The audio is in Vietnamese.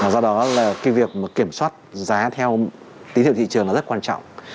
do đó là cái việc kiểm soát giá theo tín hiệu thị trường là rất quan trọng